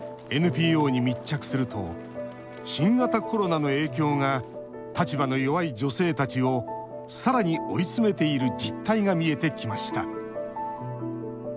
ＮＰＯに密着すると新型コロナの影響が立場の弱い女性たちをさらに追い詰めている実態が見えてきました。